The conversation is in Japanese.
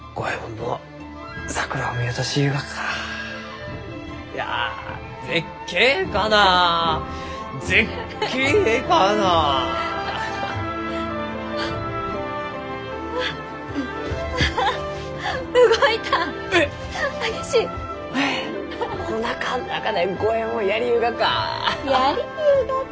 のうやりゆうがか。